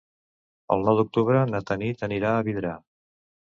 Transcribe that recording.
El nou d'octubre na Tanit anirà a Vidrà.